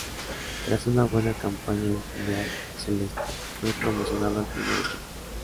Tras una buena campaña en filial celeste, fue promocionado al primer equipo.